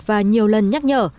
và nhiều lần nhắc nhở